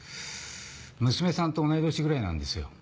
娘さんと同い年ぐらいなんですよ。